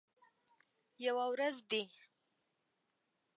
یوه ورځ دي